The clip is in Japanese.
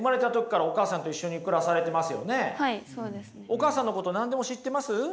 お母さんのこと何でも知ってます？